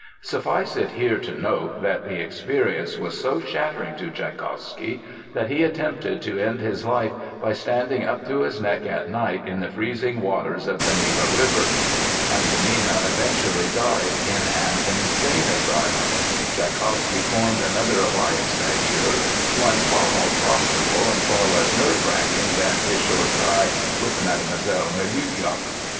Suffice it here to note that the experience was so shattering to Tschaikowsky that he attempted to end his life by standing up to his neck at night in the freezing waters of the Neva River. Antonina eventually died in an insane asylum. Tschaikowsky formed another alliance that year, one far more profitable and far less nerve wracking than his short tie with Mlle. Miliukov.